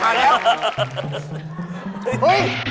มาแล้ว